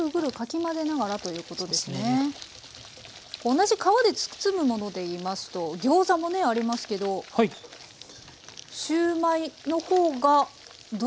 同じ皮で包むもので言いますとギョーザもねありますけどシューマイの方がどうですか？